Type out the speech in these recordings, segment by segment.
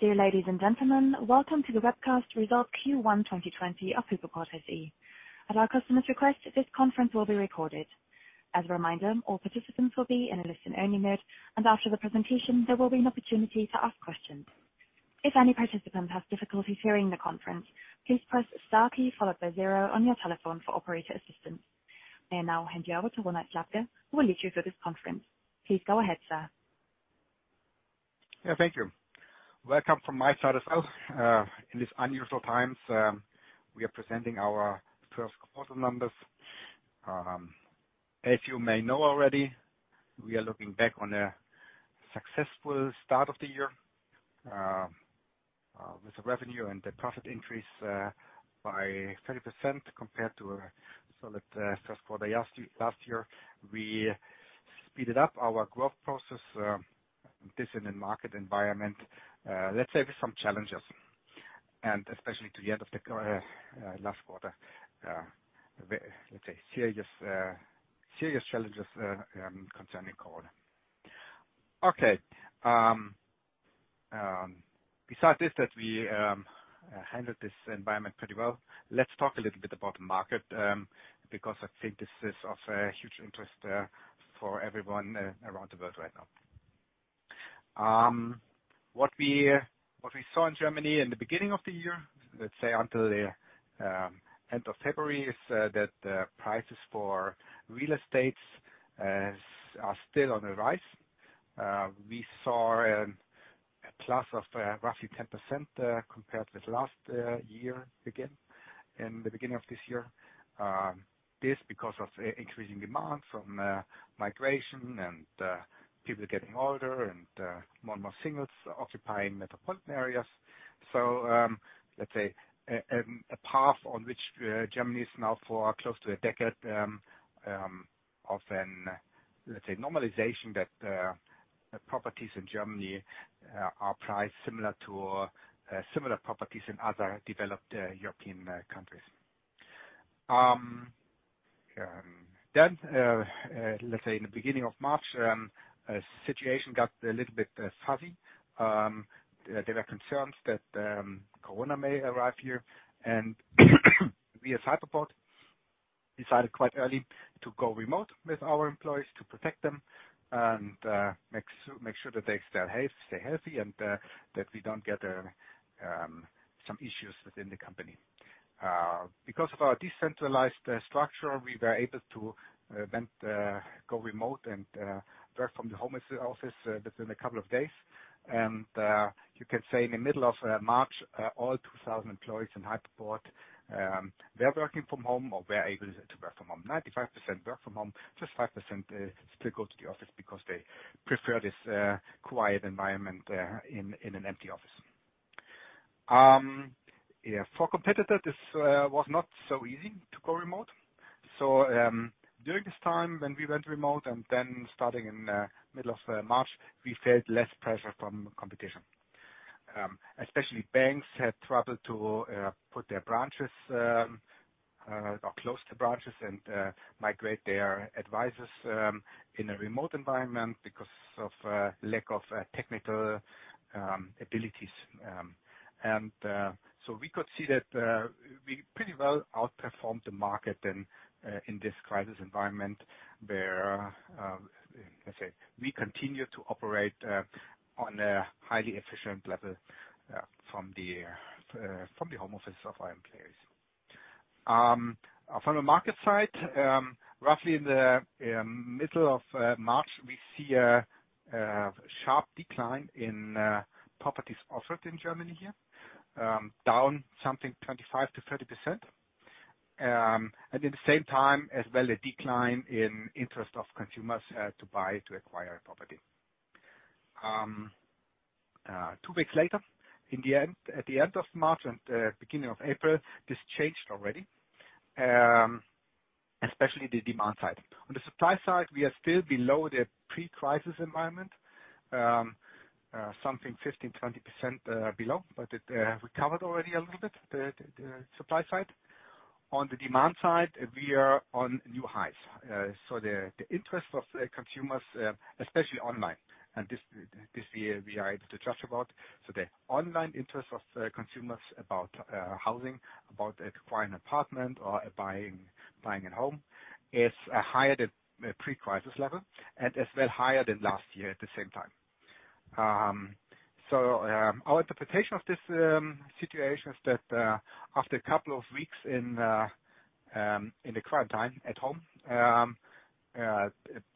Dear ladies and gentlemen. Welcome to the webcast result Q1 2020 of Hypoport SE. At our customers' request, this conference will be recorded. As a reminder, all participants will be in a listen-only mode, and after the presentation, there will be an opportunity to ask questions. If any participant has difficulty hearing the conference, please press star key followed by zero on your telephone for operator assistance. I now hand you over to Ronald Slabke, who will lead you through this conference. Please go ahead, sir. Yeah. Thank you. Welcome from my side as well. In these unusual times, we are presenting our first quarter numbers. As you may know already, we are looking back on a successful start of the year, with revenue and profit increase by 30% compared to the first quarter last year. We sped up our growth process. This, in a market environment, let's say, with some challenges, and especially to the end of last quarter, let's say, serious challenges concerning COVID. Okay. Besides this, that we handled this environment pretty well, let's talk a little bit about the market, because I think this is of huge interest for everyone around the world right now. What we saw in Germany in the beginning of the year, let's say until the end of February, is that prices for real estates are still on the rise. We saw a plus of roughly 10% compared with last year, again, in the beginning of this year. This because of increasing demands from migration and people getting older and more and more singles occupying metropolitan areas. Let's say, a path on which Germany is now for close to a decade of, let's say, normalization, that properties in Germany are priced similar to similar properties in other developed European countries. Let's say, in the beginning of March, situation got a little bit fuzzy. There were concerns that Corona may arrive here, and we at Hypoport decided quite early to go remote with our employees to protect them and make sure that they stay healthy and that we don't get some issues within the company. Because of our decentralized structure, we were able to then go remote and work from the home office within a couple of days. You can say in the middle of March, all 2,000 employees in Hypoport, they're working from home or were able to work from home. 95% work from home. Just 5% still go to the office because they prefer this quiet environment in an empty office. For competitor, this was not so easy to go remote. During this time when we went remote and then starting in middle of March, we felt less pressure from competition. Especially banks had trouble to put their branches or close to branches and migrate their advisors in a remote environment because of lack of technical abilities. We could see that we pretty well outperformed the market then in this crisis environment where, let's say, we continue to operate on a highly efficient level from the home office of our employees. From a market side, roughly in the middle of March, we see a sharp decline in properties offered in Germany here, down something 25%-30%. In the same time as well, a decline in interest of consumers to buy, to acquire a property. Two weeks later, at the end of March and beginning of April, this changed already, especially the demand side. On the supply side, we are still below the pre-crisis environment. Something 15%-20% below, but it recovered already a little bit, the supply side. On the demand side, we are on new highs. The interest of consumers, especially online and this year we are able to judge about. The online interest of consumers about housing, about acquiring apartment or buying a home is higher than pre-crisis level and is well higher than last year at the same time. Our interpretation of this situation is that after a couple of weeks in the quarantine at home,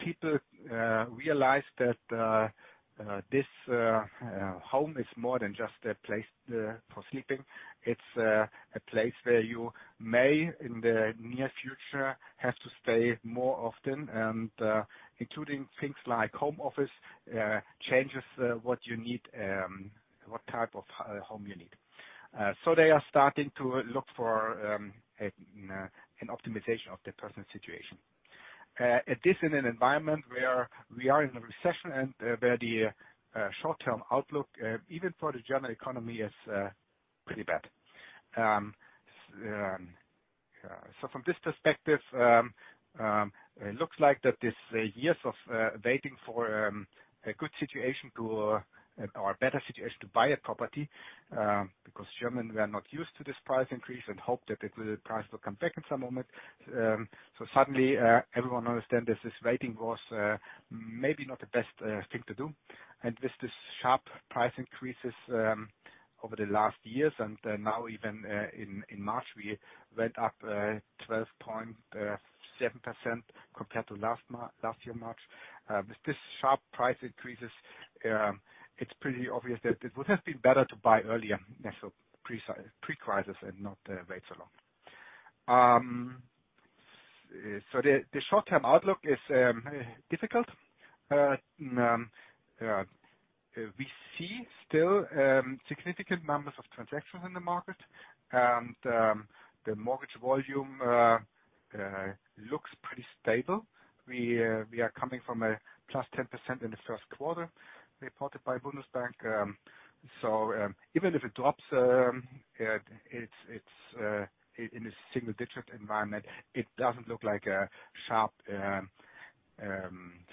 people realized that this home is more than just a place for sleeping. It's a place where you may, in the near future, have to stay more often, and including things like home office changes what type of home you need. They are starting to look for an optimization of their personal situation. This in an environment where we are in a recession and where the short-term outlook, even for the general economy, is pretty bad. From this perspective, it looks like that these years of waiting for a good situation or a better situation to buy a property, because Germans were not used to this price increase and hoped that the price will come back in some moment. Suddenly, everyone understand that this waiting was maybe not the best thing to do. With these sharp price increases over the last years and now even in March, we went up 12.7% compared to last year March. With these sharp price increases, it's pretty obvious that it would have been better to buy earlier, pre-crisis and not wait so long. The short-term outlook is difficult. We see still significant numbers of transactions in the market, and the mortgage volume looks pretty stable. We are coming from a +10% in the first quarter reported by Bundesbank. Even if it drops, it's in a single-digit environment. It doesn't look like a sharp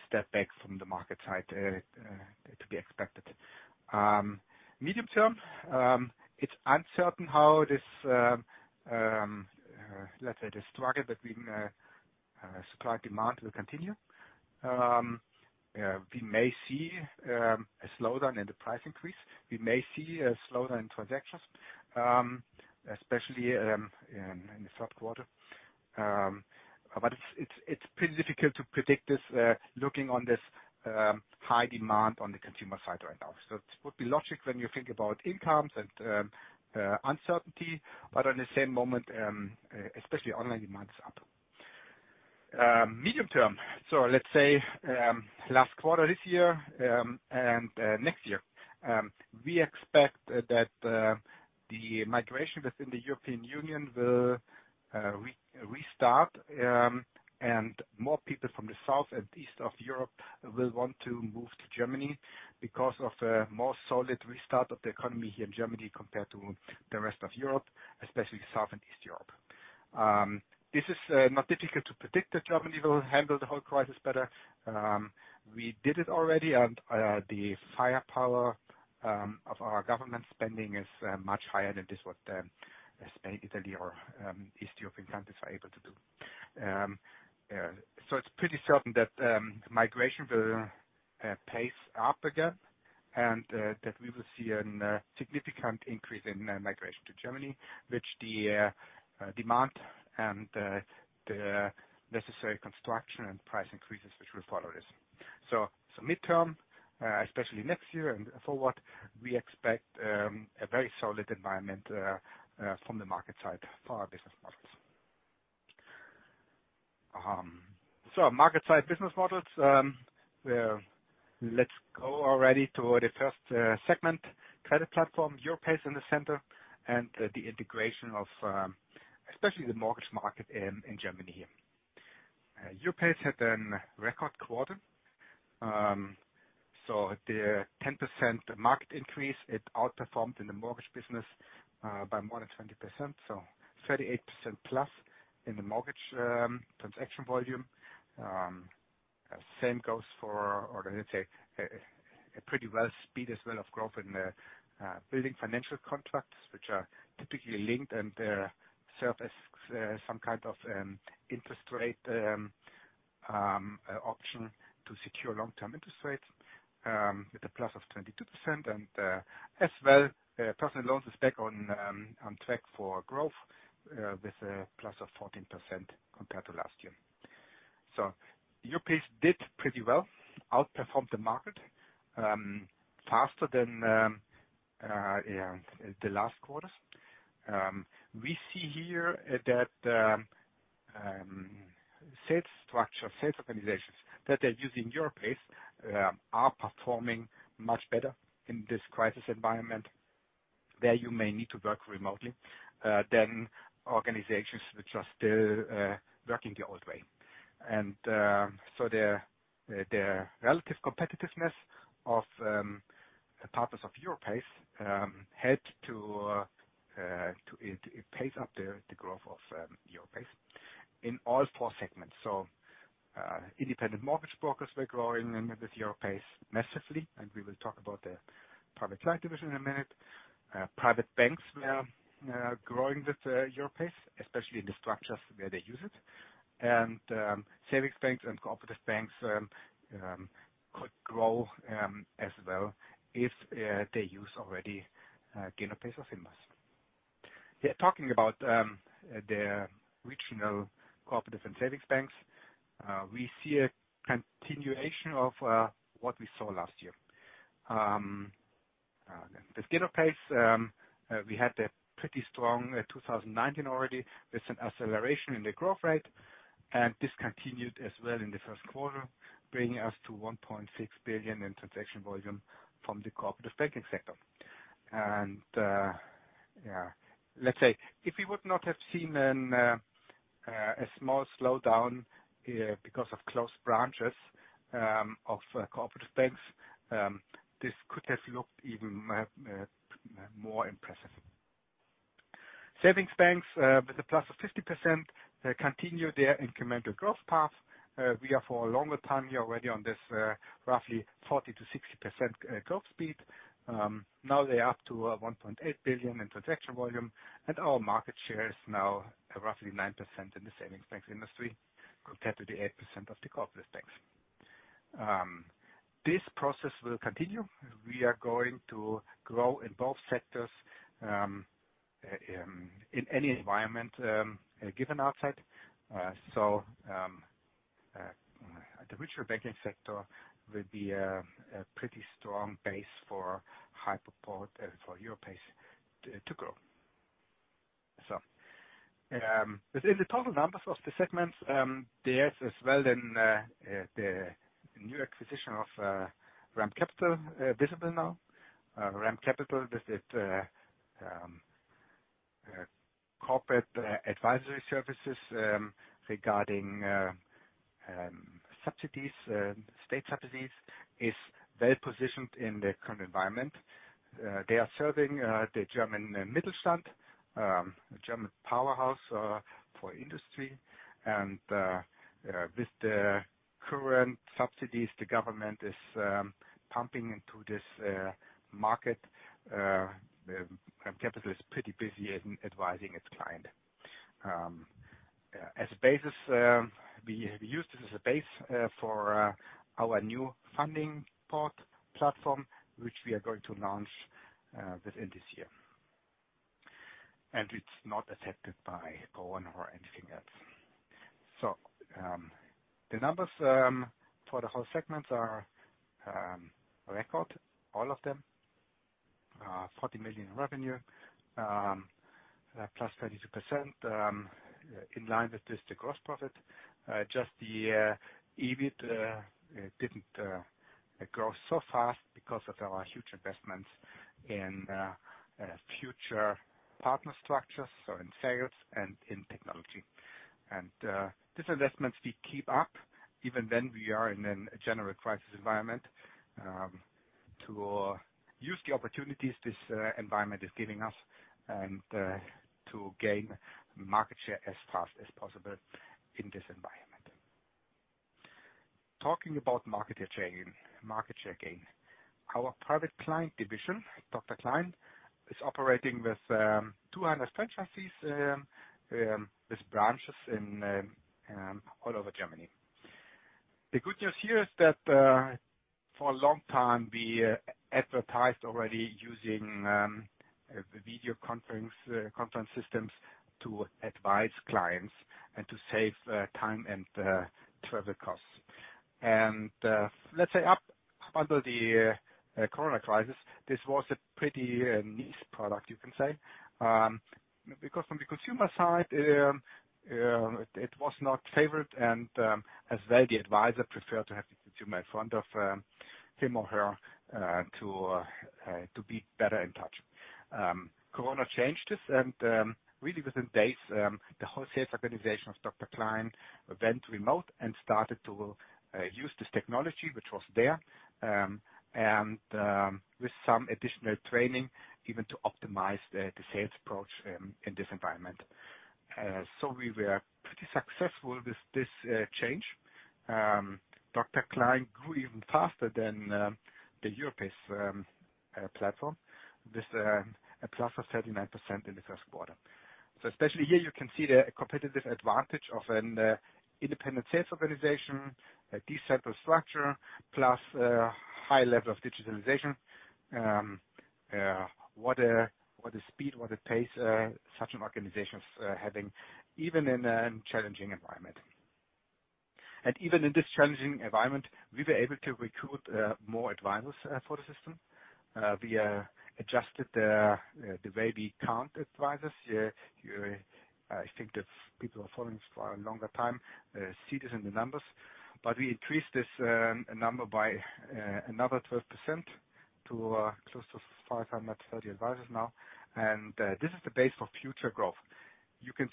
step back from the market side to be expected. Medium-term, it's uncertain how this, let's say, the struggle between supply-demand will continue. We may see a slowdown in the price increase. We may see a slowdown in transactions, especially in the third quarter. It's pretty difficult to predict this looking on this high demand on the consumer side right now. It would be logic when you think about incomes and uncertainty, but on the same moment, especially online demand is up. Medium-term, let's say last quarter this year and next year. We expect that the migration within the European Union will restart, and more people from the south and east of Europe will want to move to Germany because of a more solid restart of the economy here in Germany compared to the rest of Europe, especially South and East Europe. This is not difficult to predict that Germany will handle the whole crisis better. We did it already, the firepower of our government spending is much higher than this what Spain, Italy, or East European countries are able to do. It's pretty certain that migration will pace up again, and that we will see a significant increase in migration to Germany, which the demand and the necessary construction and price increases which will follow this. Midterm, especially next year and forward, we expect a very solid environment from the market side for our business models. Market side business models. Let's go already to the first segment, credit platform, Europace in the center, and the integration of especially the mortgage market in Germany. Europace had a record quarter. The 10% market increase, it outperformed in the mortgage business by more than 20%, so 38%+ in the mortgage transaction volume. Same goes for, or let's say, a pretty well speed as well of growth in building financial contracts, which are typically linked and serve as some kind of interest rate option to secure long-term interest rates with a +22%. As well, personal loans is back on track for growth with a +14% compared to last year. Europace did pretty well, outperformed the market faster than the last quarters. We see here that sales structure, sales organizations that are using Europace are performing much better in this crisis environment where you may need to work remotely than organizations which are still working the old way. The relative competitiveness of partners of Europace helped to pace up the growth of Europace in all four segments. Independent mortgage brokers were growing with Europace massively, and we will talk about the private client division in a minute. Private banks growing with Europace, especially in the structures where they use it. Savings banks and cooperative banks could grow as well if they use already Genopace or Finmas. Talking about the regional cooperative and savings banks, we see a continuation of what we saw last year. With Genopace, we had a pretty strong 2019 already with an acceleration in the growth rate, and this continued as well in the first quarter, bringing us to 1.6 billion in transaction volume from the cooperative banking sector. Let's say, if we would not have seen a small slowdown here because of closed branches of cooperative banks, this could have looked even more impressive. Savings banks with a +50% continue their incremental growth path. We are for a longer time already on this roughly 40%-60% growth speed. Now they are up to 1.8 billion in transaction volume, and our market share is now roughly 9% in the savings bank industry, compared to the 8% of the cooperative banks. This process will continue. We are going to grow in both sectors in any environment given outside. The regional banking sector will be a pretty strong base for Hypoport, for Europace to grow. Within the total numbers of the segments, there's as well then the new acquisition of REM Capital visible now. REM Capital with its corporate advisory services regarding state subsidies, is well-positioned in the current environment. They are serving the German Mittelstand, the German powerhouse for industry. With the current subsidies the government is pumping into this market, REM Capital is pretty busy in advising its client. We use this as a base for our new Fundingport platform, which we are going to launch within this year. It's not affected by COVID or anything else. The numbers for the whole segments are record, all of them. 40 million revenue, +32%, in line with this, the gross profit. Just the EBIT didn't grow so fast because of our huge investments in future partner structures, so in sales and in technology. These investments we keep up even when we are in a general crisis environment, to use the opportunities this environment is giving us and to gain market share as fast as possible in this environment. Talking about market share gain. Our private client division, Dr. Klein, is operating with 200 franchises with branches all over Germany. The good news here is that for a long time we advertised already using video conference systems to advise clients and to save time and travel costs. Let's say up until the Corona crisis, this was a pretty niche product, you can say. From the consumer side, it was not favored and as well the advisor preferred to have the consumer in front of him or her to be better in touch. Corona changed this and really within days, the wholesale organization of Dr. Klein went remote and started to use this technology, which was there, and with some additional training even to optimize the sales approach in this environment. We were pretty successful with this change. Dr. Klein grew even faster than the Europace platform with a +39% in the first quarter. Especially here you can see the competitive advantage of an independent sales organization, a decentralized structure, plus a high level of digitalization. What a speed, what a pace such an organization is having even in a challenging environment. Even in this challenging environment, we were able to recruit more advisors for the system. We adjusted the way we count advisors. I think that people who are following us for a longer time see this in the numbers. We increased this number by another 12% to close to 530 advisors now. This is the base for future growth. You can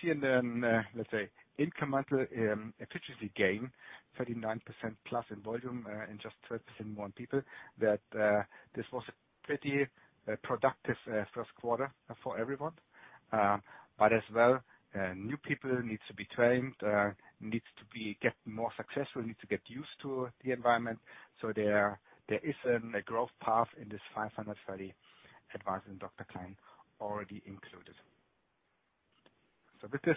see in an, let's say, incremental efficiency gain, 39%+ in volume and just 12% more in people, that this was a pretty productive first quarter for everyone. As well, new people need to be trained, needs to get more successful, need to get used to the environment. There is a growth path in this 530 advisors in Dr. Klein already included. With this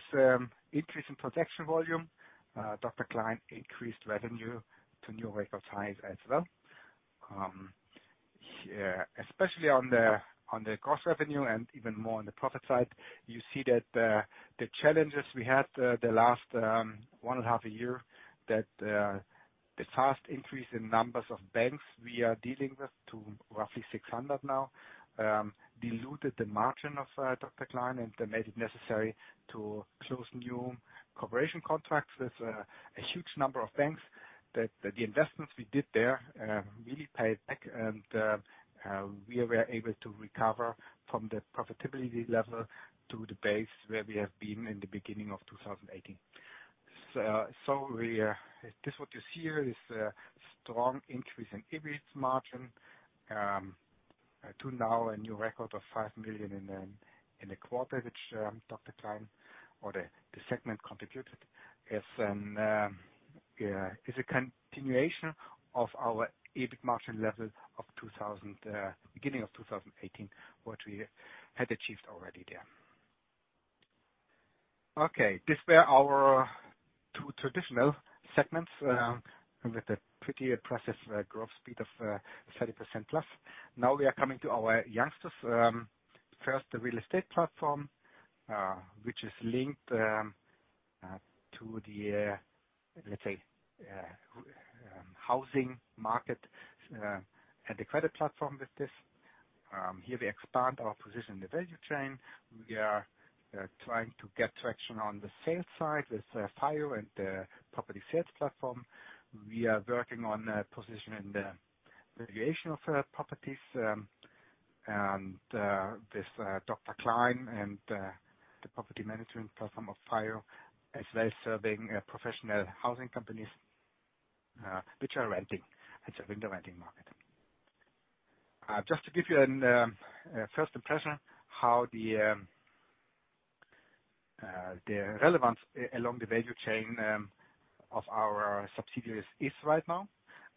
increase in transaction volume, Dr. Klein increased revenue to new record highs as well. Especially on the gross revenue and even more on the profit side, you see that the challenges we had the last 1.5 year, that the fast increase in numbers of banks we are dealing with to roughly 600 now, diluted the margin of Dr. Klein and made it necessary to close new cooperation contracts with a huge number of banks that the investments we did there really paid back and we were able to recover from the profitability level to the base where we have been in the beginning of 2018. This what you see here is a strong increase in EBIT margin to now a new record of 5 million in the quarter, which Dr. Klein or the segment contributed is a continuation of our EBIT margin level of beginning of 2018, what we had achieved already there. Okay, these were our two traditional segments with a pretty impressive growth speed of 30%+. Now we are coming to our youngsters. First, the real estate platform, which is linked to the, let's say, housing market and the credit platform with this. Here we expand our position in the value chain. We are trying to get traction on the sales side with FIO and the property sales platform. We are working on a position in the valuation of properties, with Dr. Klein and the property management platform of FIO as well as serving professional housing companies which are renting and serving the renting market. Just to give you a first impression how the relevance along the value chain of our subsidiaries is right now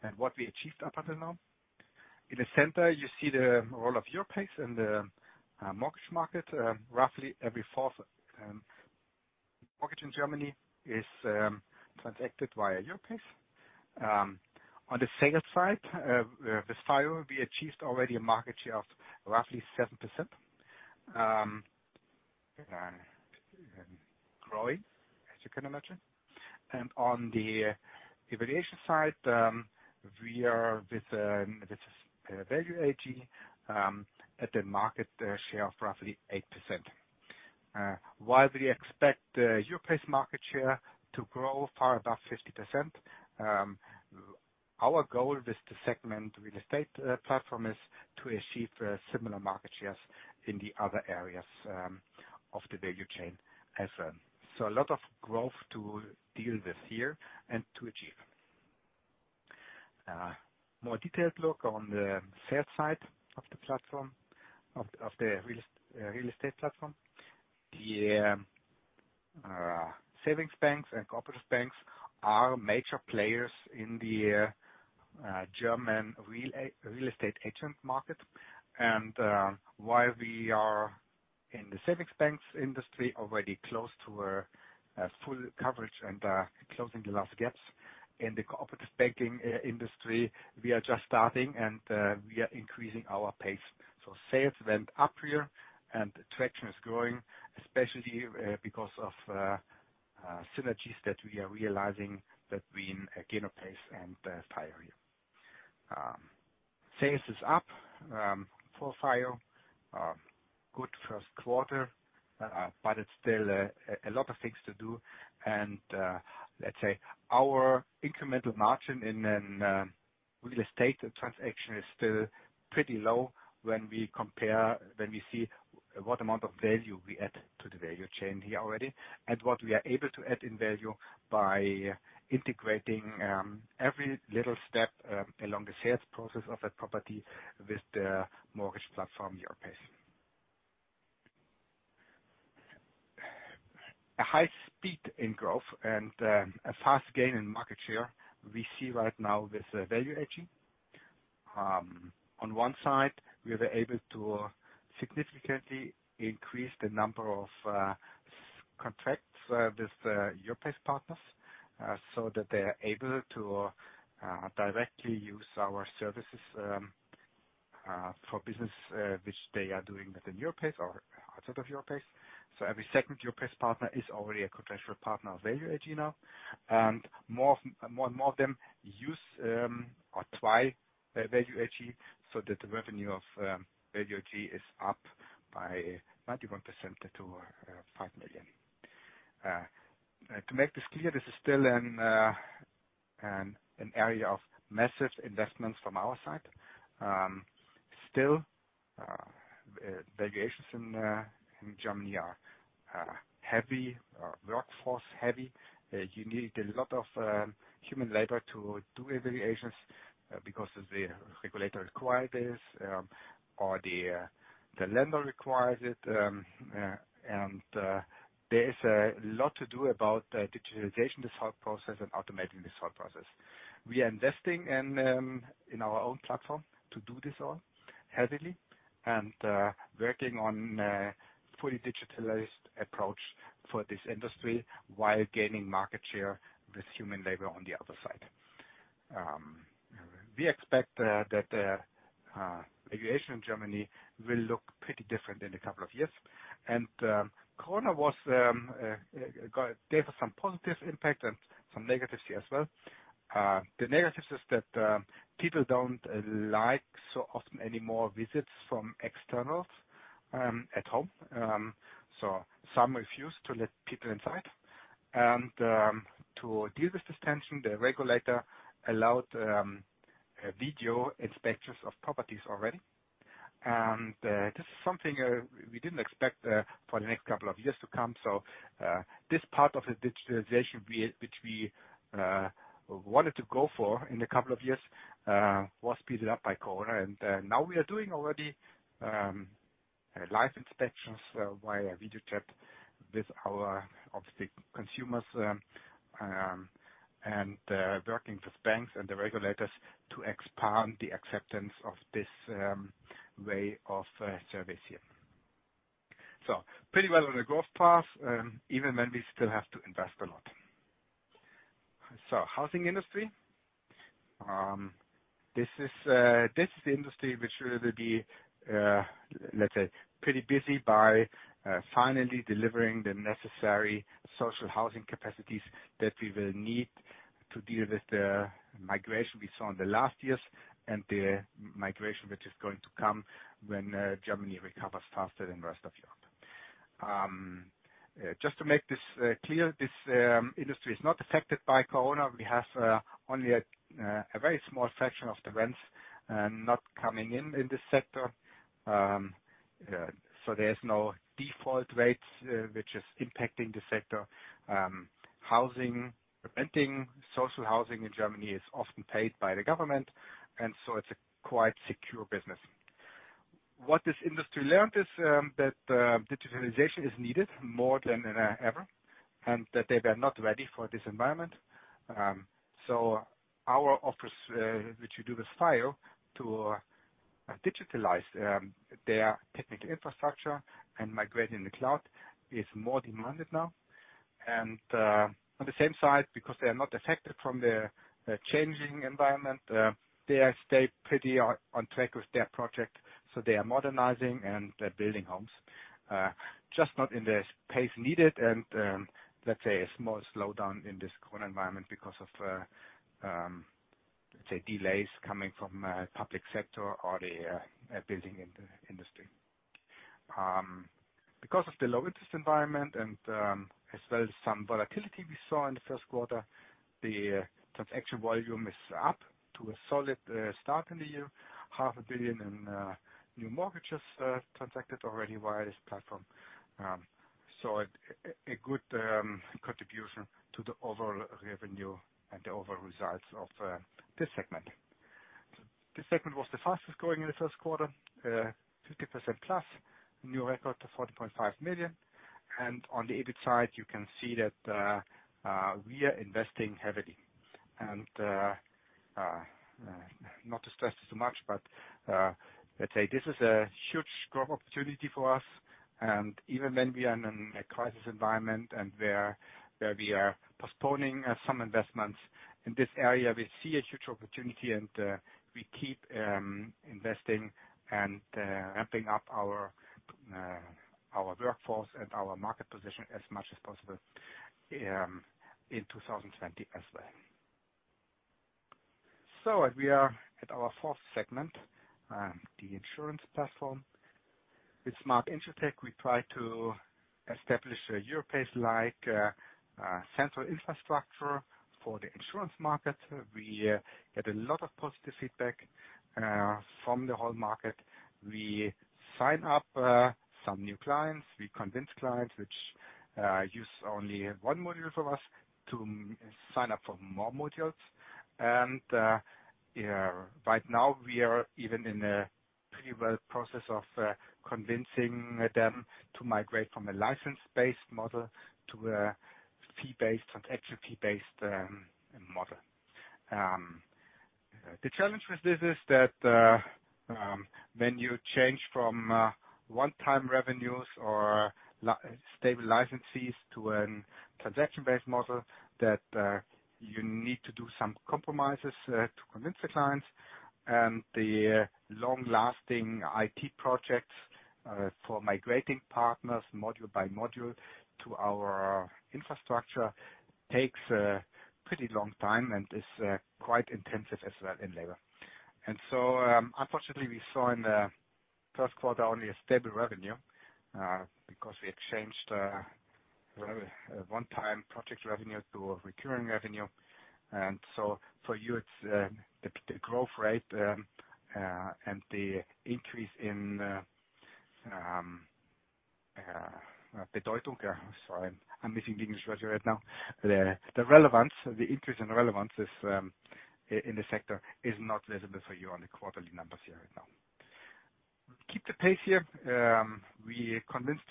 and what we achieved up until now. In the center, you see the role of Europace in the mortgage market. Roughly every fourth mortgage in Germany is transacted via Europace. On the sales side, with FIO, we achieved already a market share of roughly 7%, growing, as you can imagine. On the valuation side, we are with Value AG at the market share of roughly 8%. While we expect Europace market share to grow far above 50%, our goal with the segment real estate platform is to achieve similar market shares in the other areas of the value chain as well. A lot of growth to deal with here and to achieve. A more detailed look on the sales side of the real estate platform. The savings banks and cooperative banks are major players in the German real estate agent market. While we are in the savings banks industry already close to a full coverage and closing the last gaps in the cooperative banking industry, we are just starting and we are increasing our pace. Sales went up here and traction is growing, especially because of synergies that we are realizing between Genopace and FIO here. Sales is up for FIO. Good first quarter, but it's still a lot of things to do. Let's say our incremental margin in real estate transaction is still pretty low when we see what amount of value we add to the value chain here already and what we are able to add in value by integrating every little step along the sales process of that property with the mortgage platform, Europace. A high speed in growth and a fast gain in market share we see right now with Value AG. On one side, we were able to significantly increase the number of contracts with Europace partners so that they are able to directly use our services for business which they are doing within Europace or outside of Europace. Every second Europace partner is already a contractual partner of Value AG now, and more and more of them use or try Value AG so that the revenue of Value AG is up by 91% to 5 million. To make this clear, this is still an area of massive investments from our side. Still, valuations in Germany are workforce heavy. You need a lot of human labor to do evaluations because the regulator require this, or the lender requires it. There is a lot to do about digitalization, this whole process and automating this whole process. We are investing in our own platform to do this all heavily and working on a fully digitalized approach for this industry while gaining market share with human labor on the other side. We expect that valuation in Germany will look pretty different in a couple of years. Corona there was some positive impact and some negative here as well. The negative is that people don't like so often anymore visits from externals at home. Some refuse to let people inside. To deal with this tension, the regulator allowed video inspections of properties already. This is something we didn't expect for the next couple of years to come. This part of the digitalization which we wanted to go for in a couple of years, was sped up by COVID. Now we are doing already live inspections via video chat with our, obviously, consumers, and working with banks and the regulators to expand the acceptance of this way of service here. Pretty well on the growth path, even when we still have to invest a lot. Housing industry. This is the industry which will be, let's say, pretty busy by finally delivering the necessary social housing capacities that we will need to deal with the migration we saw in the last years and the migration which is going to come when Germany recovers faster than rest of Europe. Just to make this clear, this industry is not affected by COVID. We have only a very small fraction of the rents not coming in in this sector. There's no default rates which is impacting the sector. Housing, renting social housing in Germany is often paid by the government, and so it's a quite secure business. What this industry learned is that digitalization is needed more than ever and that they were not ready for this environment. Our offers which we do with FIO to digitalize their technical infrastructure and migrating the cloud is more demanded now. On the same side, because they are not affected from the changing environment, they stay pretty on track with their project. They are modernizing and they're building homes. Just not in the pace needed and, let's say, a small slowdown in this current environment because of, let's say, delays coming from public sector or the building industry. Because of the low interest environment and as well as some volatility we saw in the first quarter, the transaction volume is up to a solid start in the year, 500 million in new mortgages transacted already via this platform. A good contribution to the overall revenue and the overall results of this segment. This segment was the fastest-growing in the first quarter, 50%+, new record of 4.5 million. On the EBIT side, you can see that we are investing heavily. Not to stress this too much, but let's say this is a huge growth opportunity for us. Even when we are in a crisis environment and where we are postponing some investments in this area, we see a huge opportunity and we keep investing and ramping up our workforce and our market position as much as possible in 2020 as well. We are at our fourth segment, the insurance platform. With Smart InsurTech, we try to establish a Europace-like central infrastructure for the insurance market. We get a lot of positive feedback from the whole market. We sign up some new clients. We convince clients which use only one module from us to sign up for more modules. Right now we are even in a pretty well process of convincing them to migrate from a license-based model to a fee-based, transaction fee-based model. The challenge with this is that when you change from one-time revenues or stable license fees to an transaction-based model, that you need to do some compromises to convince the clients. The long-lasting IT projects for migrating partners module by module to our infrastructure takes a pretty long time and is quite intensive as well in labor. Unfortunately, we saw in the first quarter only a stable revenue, because we had changed a one-time project revenue to a recurring revenue. For you, it's the growth rate and the increase in Sorry, I'm missing the English word here right now. The relevance, the increase in relevance in the sector is not visible for you on the quarterly numbers here right now. Keep the pace here. We convinced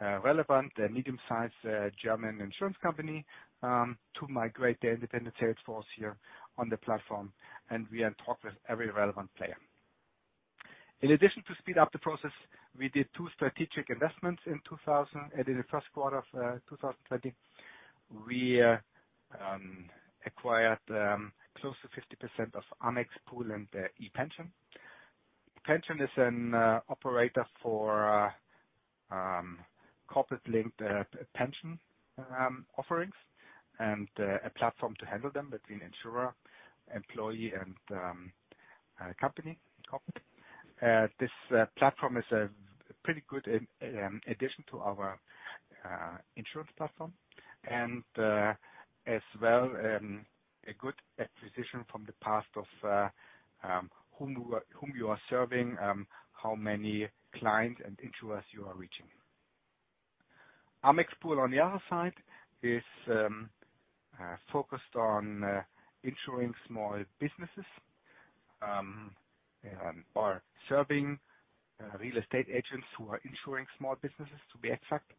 a relevant medium-sized German insurance company to migrate their independent sales force here on the platform. We are in talk with every relevant player. In addition to speed up the process, we did two strategic investments in the first quarter of 2020. We acquired close to 50% of AMEXPool and ePension. ePension is an operator for corporate-linked pension offerings and a platform to handle them between insurer, employee, and company, corporate. This platform is a pretty good addition to our insurance platform. As well, a good acquisition from the past of whom you are serving, how many clients and insurers you are reaching. AMEXPool, on the other side, is focused on insuring small businesses, or serving real estate agents who are insuring small businesses, to be exact.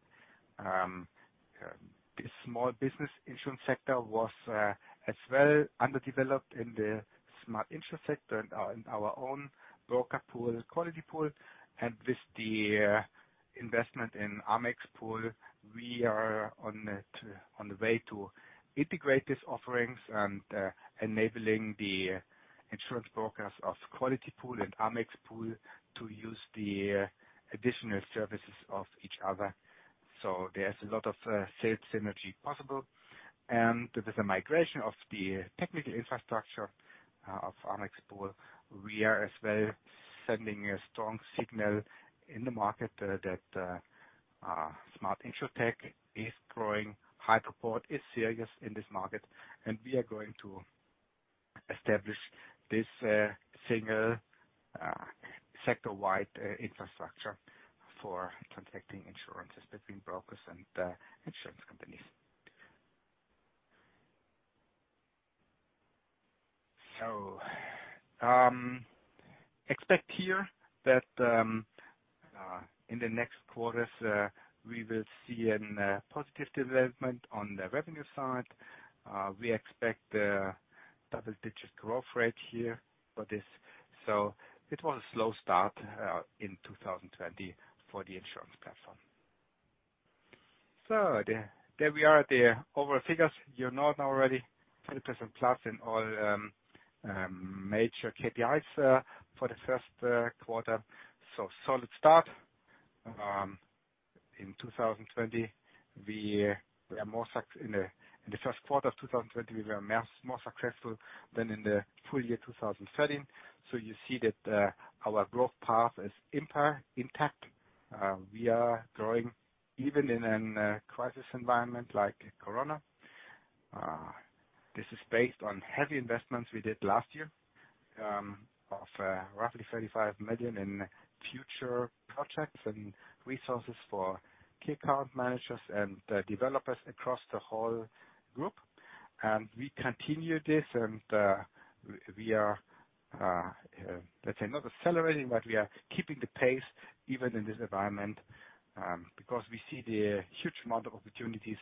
The small business insurance sector was as well underdeveloped in the Smart InsurTech sector and our own broker pool, Qualitypool. With the investment in AMEXPool, we are on the way to integrate these offerings and enabling the insurance brokers of Qualitypool and AMEXPool to use the additional services of each other. There's a lot of sales synergy possible. With the migration of the technical infrastructure of AMEXPool, we are as well sending a strong signal in the market that Smart InsurTech is growing. Hypoport is serious in this market, and we are going to establish this single sector-wide infrastructure for transacting insurances between brokers and insurance companies. Expect here that in the next quarters, we will see a positive development on the revenue side. We expect double-digit growth rate here for this. It was a slow start in 2020 for the insurance platform. There we are, the overall figures. You know it already. 30%+ in all major KPIs for the first quarter. Solid start. In the first quarter of 2020, we were more successful than in the full year 2013. You see that our growth path is intact. We are growing even in a crisis environment like COVID. This is based on heavy investments we did last year of roughly 35 million in future projects and resources for key account managers and developers across the whole group. We continue this and we are, let's say, not accelerating, but we are keeping the pace even in this environment, because we see the huge amount of opportunities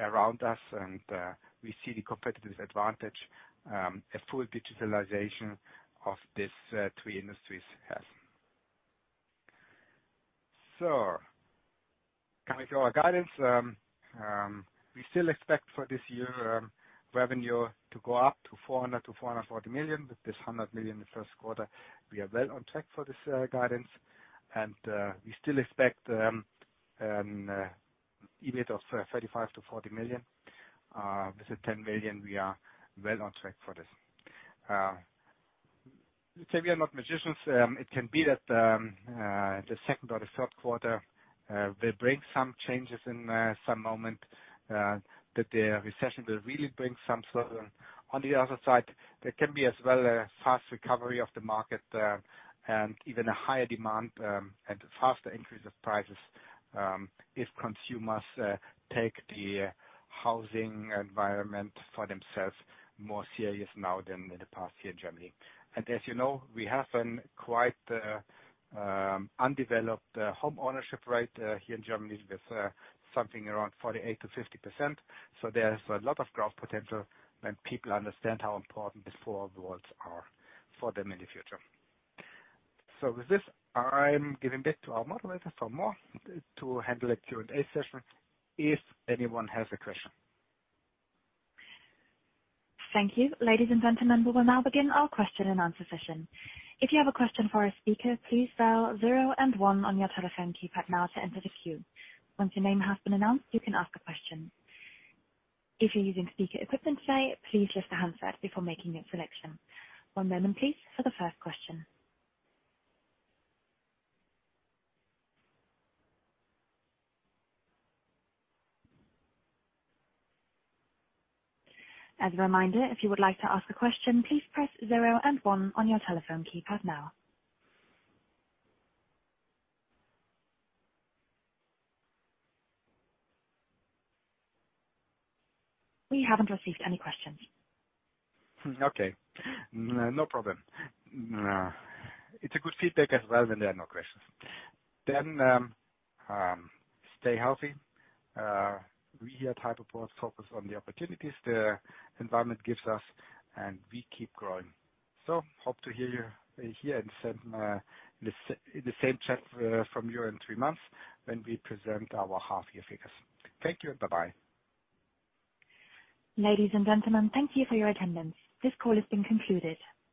around us, and we see the competitive advantage a full digitalization of these three industries has. Coming to our guidance. We still expect for this year revenue to go up to 400 million-440 million, with this 100 million the first quarter. We are well on track for this guidance. We still expect an EBIT of 35 million-40 million. With the 10 million, we are well on track for this. We are not magicians. It can be that the second or the third quarter will bring some changes in some moment, that the recession will really bring some slowdown. On the other side, there can be as well a fast recovery of the market, and even a higher demand, and a faster increase of prices if consumers take the housing environment for themselves more serious now than in the past here in Germany. As you know, we have a quite undeveloped home ownership rate here in Germany, with something around 48%-50%. There's a lot of growth potential when people understand how important these four walls are for them in the future. With this, I'm giving back to our moderator, For more, to handle the Q&A session if anyone has a question. Thank you. Ladies and gentlemen, we will now begin our question and answer session. If you have a question for a speaker, please dial zero and one on your telephone keypad now to enter the queue. Once your name has been announced, you can ask a question. If you're using speaker equipment today, please lift the handset before making your selection. One moment please for the first question. As a reminder, if you would like to ask a question, please press zero and one on your telephone keypad now. We haven't received any questions. Okay. No problem. It's a good feedback as well when there are no questions. Stay healthy. We here at Hypoport focus on the opportunities the environment gives us, and we keep growing. Hope to hear you here in the same chat from you in three months when we present our half-year figures. Thank you. Bye-bye. Ladies and gentlemen, thank you for your attendance. This call has been concluded.